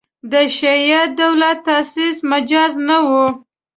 د شیعه دولت تاسیس مجاز نه وو.